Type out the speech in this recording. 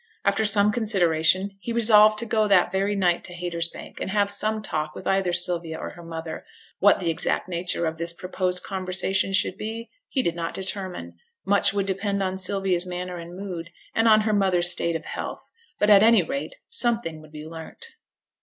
After some consideration he resolved to go that very night to Haytersbank, and have some talk with either Sylvia or her mother; what the exact nature of this purposed conversation should be, he did not determine; much would depend on Sylvia's manner and mood, and on her mother's state of health; but at any rate something would be learnt.